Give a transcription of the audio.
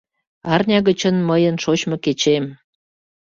Арня гычын — мыйын шочмо кечем.